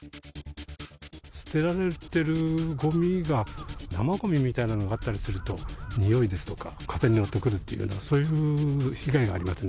捨てられてるごみが生ごみみたいなのがあったりすると、臭いですとか、風に乗ってくるという、そういう被害がありますね。